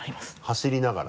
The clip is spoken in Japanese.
走りながら？